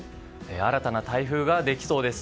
新たな台風ができそうです。